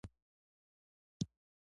د لغمان په الینګار کې د بیروج نښې شته.